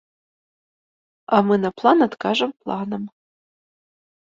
А мы на план адкажам планам.